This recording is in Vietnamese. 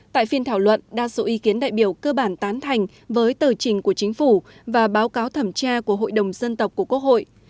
tại phiên thảo luận đa số ý kiến đại biểu cơ bản tán thành với tờ trình của chính phủ và báo cáo thẩm tra của hội đồng dân tộc của quốc hội